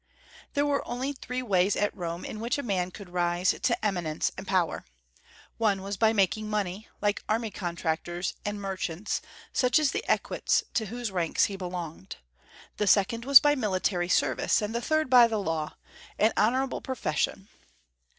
There were only three ways at Rome in which a man could rise to eminence and power. One was by making money, like army contractors and merchants, such as the Equites, to whose ranks he belonged; the second was by military service; and the third by the law, an honorable profession.